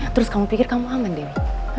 terus kamu pikir kamu aman demi